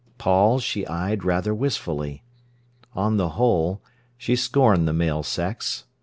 Paul she eyed rather wistfully. On the whole, she scorned the male sex.